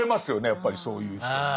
やっぱりそういう人って。